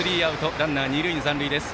ランナー、二塁に残塁です。